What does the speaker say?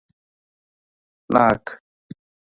🍐ناک